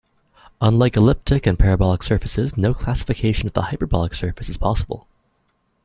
Unlike elliptic and parabolic surfaces, no classification of the hyperbolic surfaces is possible.